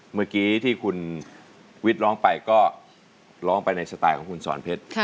เมื่อกี้ที่คุณวิทย์ร้องไปก็ร้องไปในสไตล์ของคุณสอนเพชร